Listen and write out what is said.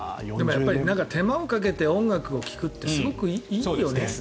手間をかけて音楽を聴くってすごくいいよね。